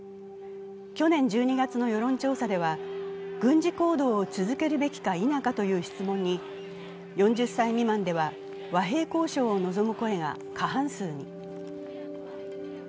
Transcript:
去年１２月の世論調査では軍事行動を続けるべきか否かという質問に４０歳未満では和平交渉を望む声が過半数に。